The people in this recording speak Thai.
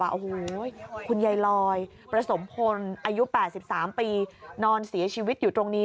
โอ้โหคุณยายลอยประสมพลอายุ๘๓ปีนอนเสียชีวิตอยู่ตรงนี้